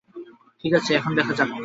ঠিক আছে, এখানে দেখা যাক।